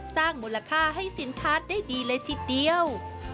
สร้างมูลค่าให้สินค้าได้ดีเลยทีเดียว